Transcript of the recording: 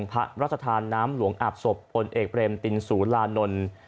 พระราชทานน้ำหลวงอาบศพพลเอกเบรมตินสุรานนท์